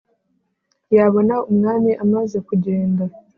yabona umwami amaze kugenda,